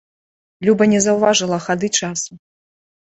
Люба не заўважала хады часу.